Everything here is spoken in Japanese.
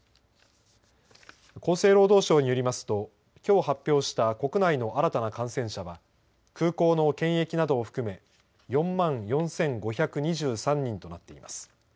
厚生労働省によりますときょう発表した国内の新たな感染者は空港の検疫などを含め４万４５２３人となっています。